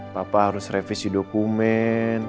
papa harus revisi dokumen